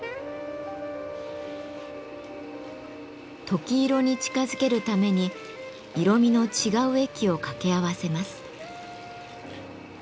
とき色に近づけるために色みの違う液を掛け合わせます。